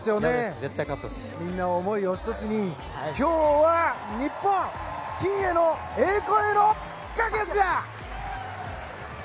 みんな思いを１つに今日は、日本金への栄光への架け橋だ！